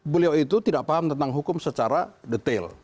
beliau itu tidak paham tentang hukum secara detail